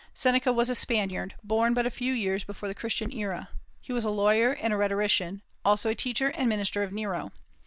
Seneca was a Spaniard, born but a few years before the Christian era; he was a lawyer and a rhetorician, also a teacher and minister of Nero.